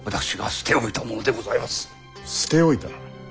捨て置いた？